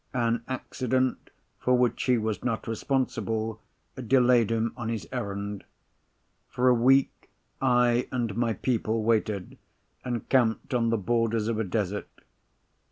An accident, for which he was not responsible, delayed him on his errand. For a week I and my people waited, encamped on the borders of a desert.